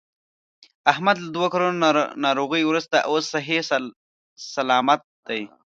احمد له دوه کلونو ناروغۍ ورسته اوس صحیح صلامت دی.